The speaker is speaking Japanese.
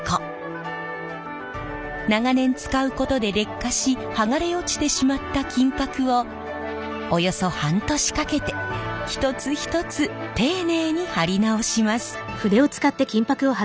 長年使うことで劣化し剥がれ落ちてしまった金箔をおよそ半年かけて一つ一つ丁寧に貼り直します。